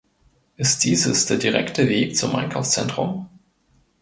Ist dieses der direkte Weg zum Einkaufszentrum?